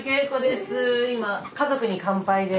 今「家族に乾杯」で。